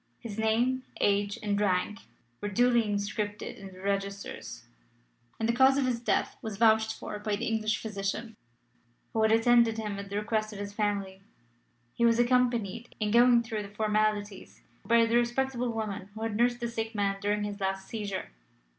His name, age, and rank were duly inscribed in the registers, and the cause of his death was vouched for by the English physician who had attended him at the request of his family. He was accompanied, in going through the formalities, by the respectable woman who had nursed the sick man during his last seizure.